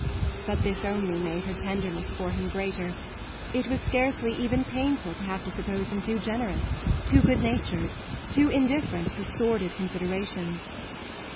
But this only made her tenderness for him greater; it was scarcely even painful to have to suppose him too generous, too good natured, too indifferent to sordid considerations.